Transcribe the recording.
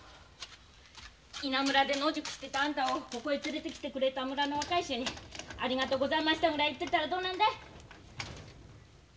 稲むらで野宿してたあんたをここへ連れて来てくれた村の若い衆に「ありがとうございました」ぐらい言ってったらどうなんだい？